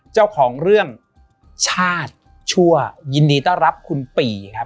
เจ้าของเรื่องชาติชั่วยินดีต้อนรับคุณปีครับ